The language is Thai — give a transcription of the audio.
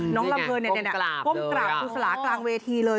ลำเนินก้มกราบครูสลากลางเวทีเลย